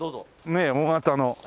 ねえＯ型の。